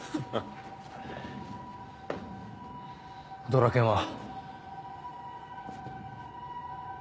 ドラケンは？